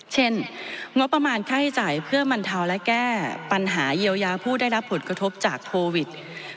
เช่นงบประมาณค่าใช้จ่ายเพื่อบรรเทาและแก้ปัญหาเยียวยาผู้ได้รับผลกระทบจากโควิด